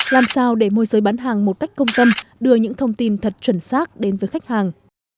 làm sao để môi giới bán hàng một cách công tâm đưa những thông tin thật chuẩn xác đến với khách hàng